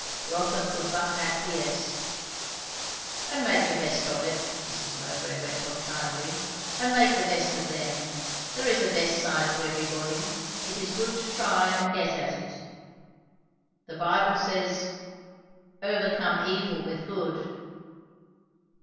Rotha could but acquiesce. "And make the best of it," Mrs. Mowbray went on kindly; "and make the best of them. There is a best side to everybody; it is good to try and get at it. The Bible says 'Overcome evil with good.'"